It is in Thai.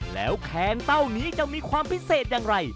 แล้วแคนเต้านี้จะมีความพิเศษอย่างไร